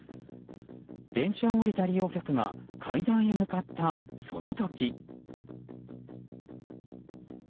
電車を降りた利用客が階段へ向かった、その時。